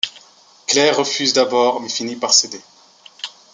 Claire refuse d'abord mais finit par céder.